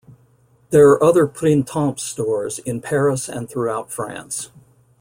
There are other Printemps stores in Paris and throughout France.